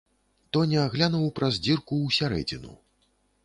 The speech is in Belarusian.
Тоня глянуў праз дзірку ў сярэдзіну.